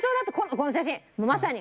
この写真まさに。